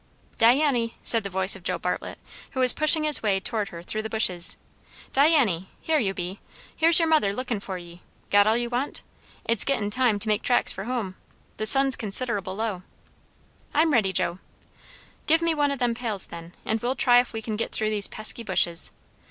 "Diany," said the voice of Joe Bartlett, who was pushing his way towards her through the bushes, "Diany! Here you be! Here's your mother lookin' for ye. Got all you want? It's gettin' time to make tracks for hum. The sun's consid'able low." "I'm ready, Joe." "Give me one o' them pails, then, and we'll try ef we kin git through these pesky bushes.